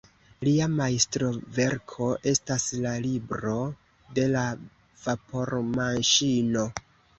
Lia majstroverko estas la "Libro de la Vapormaŝino".